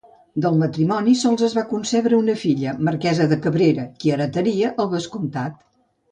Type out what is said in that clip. Del matrimoni sols es va concebre una filla, Marquesa de Cabrera, qui heretaria el vescomtat.